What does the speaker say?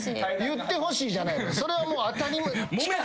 言ってほしいじゃない。